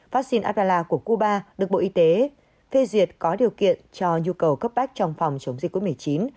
vắc xin adela của cuba được bộ y tế phê duyệt có điều kiện cho nhu cầu cấp bách trong phòng chống dịch covid một mươi chín